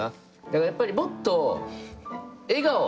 だからやっぱりもっと笑顔。